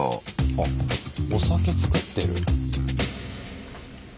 あお酒造ってる。